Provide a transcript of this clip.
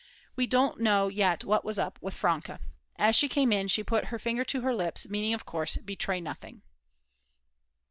We don't know yet what was up with Franke. As she came in she put her finger to her lips, meaning of course "Betray nothing!"